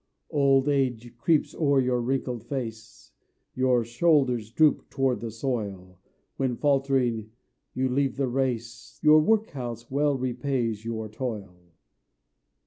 Old age creeps o'er your wrinkled face, Your shoulders droop toward the soil; When, faltering, you leave the race, The workhouse well repays your toil.